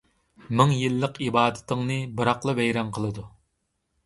مىڭ يىللىق ئىبادىتىڭنى بىراقلا ۋەيران قىلىدۇ.